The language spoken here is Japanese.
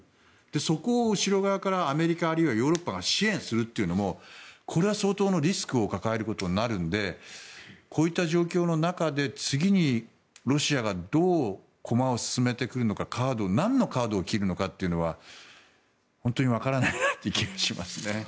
そこを後ろ側からアメリカ、ヨーロッパ側が支援するというのも相当のリスクを抱えることになるのでこういった状況の中で次にロシアがどう駒を進めてくるのか何のカードを切るのかというのは本当に分からないなという気がしますね。